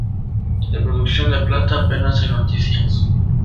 De producción de plata apenas hay noticias.